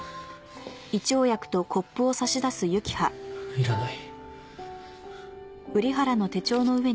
いらない。